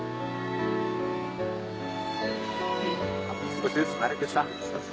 少しずつ慣れてさ。